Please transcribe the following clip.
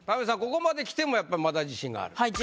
ここまできてもやっぱまだ自信がある？